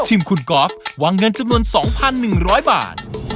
ทีมคุณกอล์ฟวางเงินจำนวน๒๑๐๐บาท